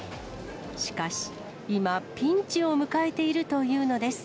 しかし、今、ピンチを迎えているというのです。